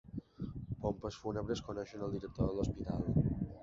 Pompes Fúnebres coneixen el director de l'hospital.